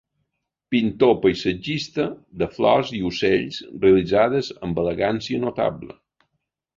Pintor paisatgista, de flors i ocells realitzades amb elegància notable.